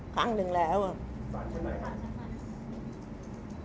สารเช่นไหนใช่ไหม